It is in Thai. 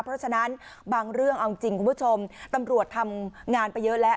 เพราะฉะนั้นบางเรื่องเอาจริงคุณผู้ชมตำรวจทำงานไปเยอะแล้ว